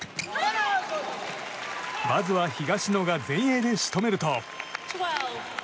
まずは東野が前衛で仕留めると。